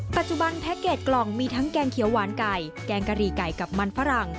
ปัจจุบันแพ็คเกจกล่องมีทั้งแกงเขียวหวาน